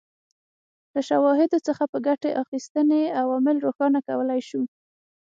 له شواهدو څخه په ګټې اخیستنې عوامل روښانه کولای شو.